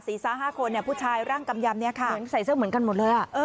ซ้า๕คนผู้ชายร่างกำยำเหมือนใส่เสื้อเหมือนกันหมดเลย